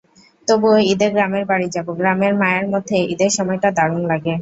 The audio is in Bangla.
তবুও, ঈদে গ্রামের বাড়ি যাব, গ্রামের মায়ার মধ্যে ঈদের সময়টা দারুণ লাগে।